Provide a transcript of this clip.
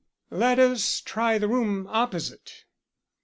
"Let us try the room opposite."